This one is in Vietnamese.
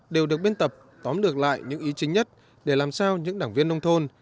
đều được biên tập tóm lược lại những ý chính nhất để làm sao những đảng viên nông thôn